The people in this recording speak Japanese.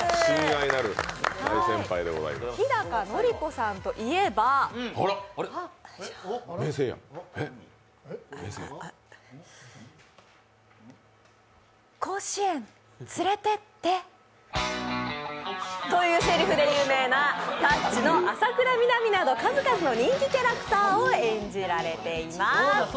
日高のり子さんといえば甲子園、連れてって。というせりふで有名な「タッチ」の浅倉南など、数々の人気キャラクターを演じられています。